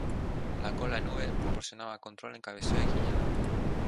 La cola en V proporcionaba control en cabeceo y guiñada.